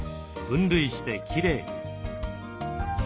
分類してきれいに。